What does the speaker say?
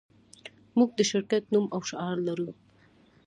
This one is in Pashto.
موږ د شرکت نوم او شعار لرو